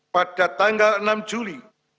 pada tanggal enam juli